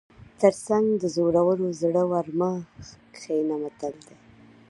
تر څنګ د زورورو زړه ور مه کښېنه متل دی..